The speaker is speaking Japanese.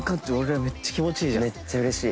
めっちゃうれしい。